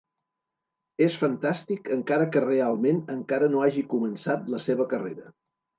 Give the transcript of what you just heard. És fantàstic encara que realment encara no hagi començat la seva carrera.